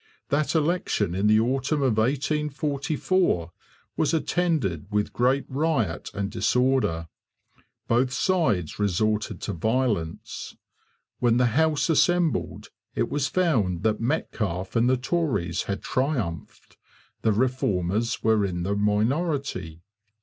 That election in the autumn of 1844 was attended with great riot and disorder. Both sides resorted to violence. When the House assembled, it was found that Metcalfe and the Tories had triumphed. The Reformers were in the minority.